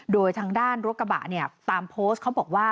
โดยทางด้านรถกระบะเนี่ยตามโพสต์เขาบอกว่า